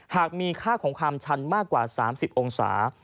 หากมีค่าของความชันมากกว่า๓๐องศา